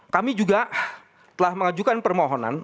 kami juga telah mengajukan permohonan